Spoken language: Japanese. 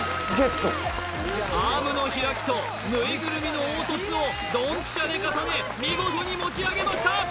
アームの開きとぬいぐるみの凹凸をドンピシャで重ね見事に持ち上げました